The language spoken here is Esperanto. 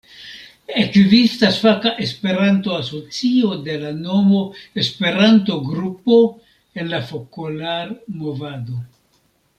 Ekzistas faka Esperanto-asocio de la nomo Esperanto-grupo en la Fokolar-Movado.